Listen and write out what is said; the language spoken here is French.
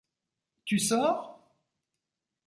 Tu sors ?